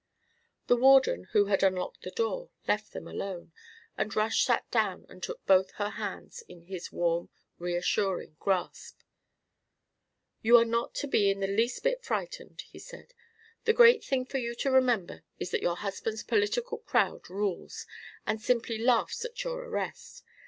The Warden, who had unlocked the door, left them alone, and Rush sat down and took both her hands in his warm reassuring grasp. "You are not to be the least bit frightened," he said. "The great thing for you to remember is that your husband's political crowd rules, and simply laughs at your arrest.